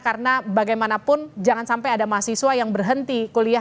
karena bagaimanapun jangan sampai ada mahasiswa yang berhenti kuliah